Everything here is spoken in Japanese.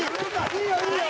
いいよいいよ。